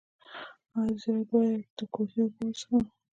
ایا زه باید د کوهي اوبه وڅښم؟